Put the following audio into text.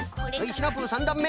シナプー３だんめ。